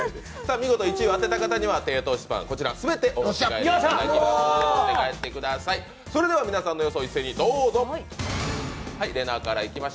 見事１位を当てた方には低糖質パン、全てお持ち帰りいただきます。